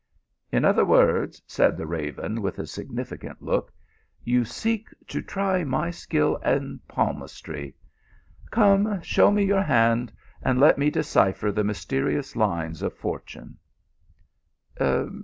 " In other words," said the raven with a signifi cant look, "you seek to try my skill in palmistry. Come, show me your hand, and let me decipher the mysterious lines of fortune."